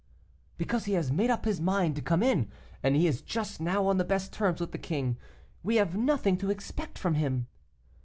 'Because he has made up his mind to come in, and he is just now on the best terms with the king; we have nothing to expect from him.